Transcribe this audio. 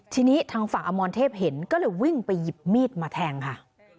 ทีนี้ทางฝั่งอมรเทพเห็นก็เลยวิ่งไปหยิบมีดมาแทงค่ะ